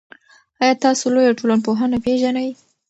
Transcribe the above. آیا تاسو لویه ټولنپوهنه پېژنئ؟